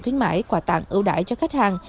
khuyến mãi quà tặng ưu đại cho khách hàng